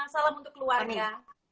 salam untuk keluarga